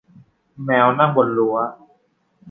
แมวนั่งบนรั้ว